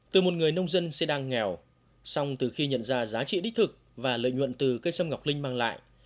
từ một người nông dân sẽ đang nghèo xong từ khi nhận ra giá trị đích thực và lợi nhuận từ cây sâm ngọc linh mang lại